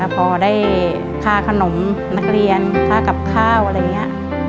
พอได้ค่าขนมนักเรียนค่ากับข้าวอะไรอย่างนี้